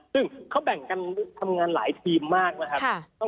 ซึ่งเขาแบ่งกันทำงานหลายทีมมากนะครับ